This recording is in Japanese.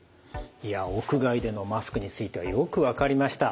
いや屋外でのマスクについてはよく分かりました。